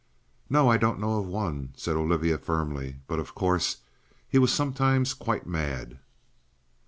"No, I don't know of one," said Olivia firmly. "But, of course, he was sometimes quite mad."